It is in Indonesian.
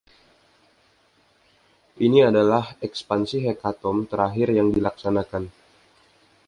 Ini adalah ekspansi "Hecatomb" terakhir yang dilaksanakan.